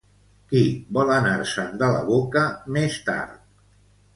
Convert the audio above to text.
Qui vol anar-se'n de la boca més tard?